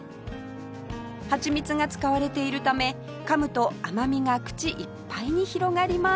ハチミツが使われているためかむと甘みが口いっぱいに広がります